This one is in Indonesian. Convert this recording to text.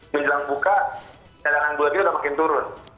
menjelang buka cadangan gula itu udah makin turun